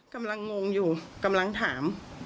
กำลังงงอยู่กำลังถาม